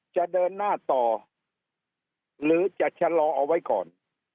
จะเดินหน้าต่อหรือจะชะลอเอาไว้ก่อน